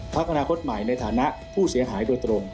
พักอนาคตใหม่ในฐานะผู้เสียหายโดยตรง